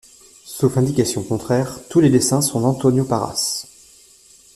Sauf indication contraire tous les dessins sont d’Antonio Parras.